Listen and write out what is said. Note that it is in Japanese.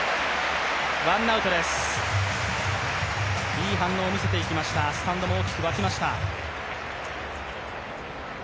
いい反応を見せていきました、スタンドも大きくわきました。